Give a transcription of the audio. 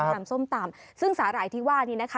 ทำส้มตำซึ่งสาหร่ายที่ว่านี้นะคะ